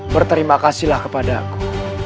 berterima kasihlah kepada aku